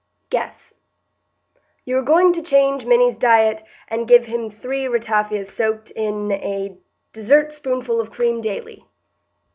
Guess." "You are going to change Minny's diet, and give him three ratafias soaked in a dessert spoonful of cream daily?"